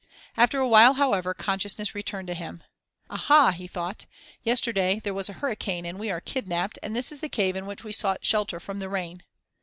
After a while, however, consciousness returned to him. "Aha!" he thought, "yesterday there was a hurricane and we are kidnapped, and this is a cave in which we sought shelter from the rain."